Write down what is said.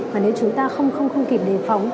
và nếu chúng ta không kịp đề phóng